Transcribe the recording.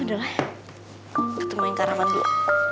udah lah ketemuin karaman dulu